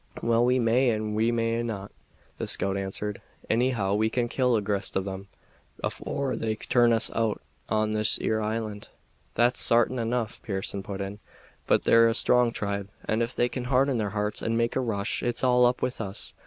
"Waal, we may and we may not," the scout answered. "Anyhow we can kill a grist of 'em afore they turn us out on this 'ere island." "That's sartin enough," Pearson put in; "but they're a strong tribe, and ef they can harden their hearts and make a rush it's all up with us.